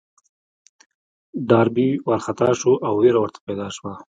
ډاربي وارخطا شو او وېره ورته پيدا شوه.